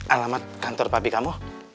alamat kantor papi kamu